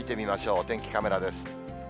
お天気カメラです。